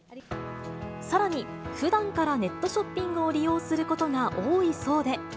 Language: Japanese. さらに、ふだんからネットショッピングを利用することが多いそうで。